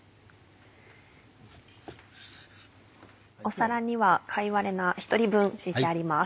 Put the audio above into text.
皿には貝割れ菜１人分敷いてあります。